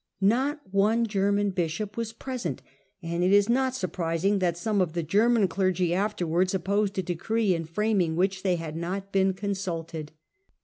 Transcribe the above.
Not one German bishop was present, and it is not surprising that some of the German clergy after wards opposed a decree in framing which they had not Vieen consulted.